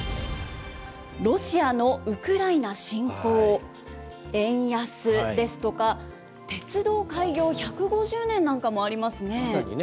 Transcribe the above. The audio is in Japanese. ロシアのウクライナ侵攻、円安ですとか、鉄道開業１５０年なんかもありますね。